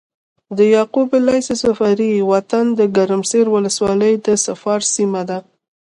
د يعقوب ليث صفاري وطن د ګرمسېر ولسوالي د صفار سيمه ده۔